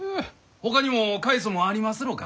ほかにも返すもんありますろうか？